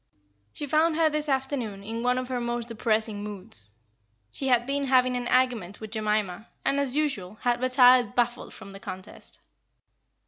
She found her this afternoon in one of her most depressing moods. She had been having an argument with Jemima, and, as usual, had retired baffled from the contest.